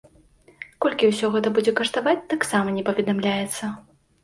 Колькі ўсё гэта будзе каштаваць, таксама не паведамляецца.